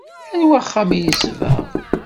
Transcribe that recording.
Anwa axxam i yesbeɣ?